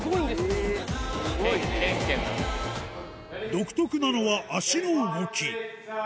独特なのは足の動き